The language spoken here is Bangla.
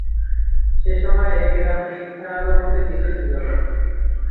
সেসময় সেই গ্রামে শিক্ষার আলো বলতে কিছুই ছিল না।